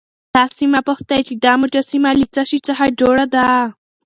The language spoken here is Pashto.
تاسو مه پوښتئ چې دا مجسمه له څه شي څخه جوړه ده.